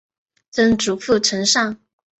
曾祖父陈善。